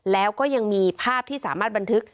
แล้วก็ยังมีภาพที่สามารถบันทึก